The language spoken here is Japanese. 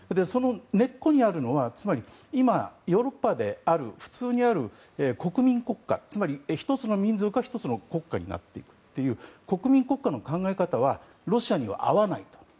その根っこにあるのはつまり、今ヨーロッパで普通にある国民国家つまり、１つの民族が１つの国家になっていくという国民国家の考え方はロシアには合わないと。